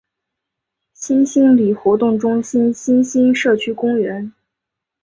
新兴里活动中心新兴社区公园